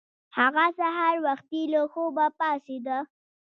هغه سهار وختي له خوبه پاڅیده.